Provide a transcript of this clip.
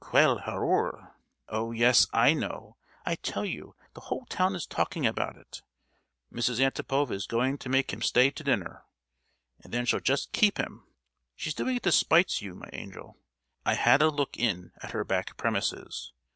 "Quelle horreur!" "Oh, yes, I know! I tell you—the whole town is talking about it! Mrs. Antipova is going to make him stay to dinner—and then she'll just keep him! She's doing it to spite you, my angel. I had a look in at her back premises.